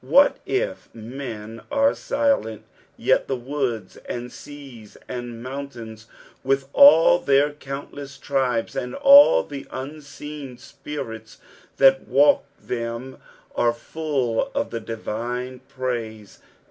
What if men are silent, yet the woods, aod aeaa, and mountains, with all their countleaa tribes, and all the unseen spirits that walk them, are full of the divine praise.